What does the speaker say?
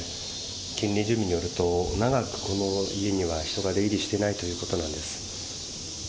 近隣住民によると長くこの家には人が出入りしていないということなんです。